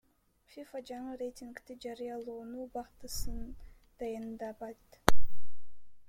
ФИФА жаңы рейтингди жарыялоонун убактысын дайындабайт.